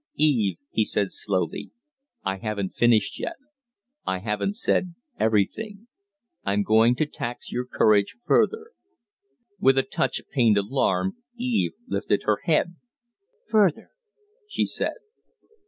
"Eve," he said, slowly, "I haven't finished yet. I haven't said everything. I'm going to tax your courage further." With a touch of pained alarm, Eve lifted her head. "Further?" she said.